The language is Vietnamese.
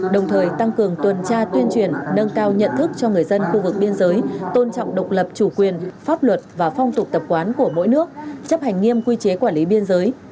đồng thời tăng cường tuần tra tuyên truyền nâng cao nhận thức cho người dân khu vực biên giới tôn trọng độc lập chủ quyền pháp luật và phong tục tập quán của mỗi nước chấp hành nghiêm quy chế quản lý biên giới